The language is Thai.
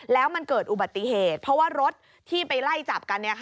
แล้วมันเกิดอุบัติเหตุเพราะว่ารถที่ไปไล่จับกัน